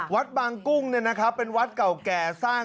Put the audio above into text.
วัดบางกุ้งเนี่ยนะครับเป็นวัดเก่าแก่สร้าง